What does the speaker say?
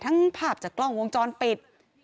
ภาพจากกล้องวงจรปิด